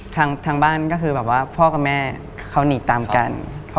ทางบ้านแปลว่าพ่อกับแม่เรื่องงี้เค้าหนีตามกัน